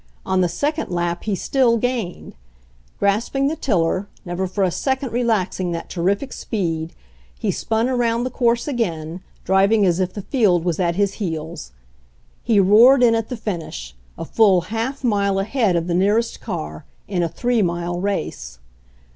On the second lap he still gained. Grasping the tiller, never for a second relaxing that terrific speed, he spun around the course again, driving as if the field was at his heels. Htf roared in at the finish, a full half mile ahead of the nearest car, in a three mile race.